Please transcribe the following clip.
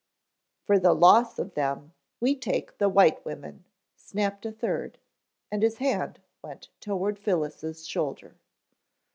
"For the loss of them, we take the white women," snapped a third, and his hand went toward Phyllis' shoulder.